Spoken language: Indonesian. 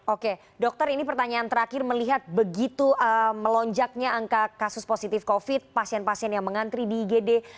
oke dokter ini pertanyaan terakhir melihat begitu melonjaknya angka kasus positif covid pasien pasien yang mengantri di igd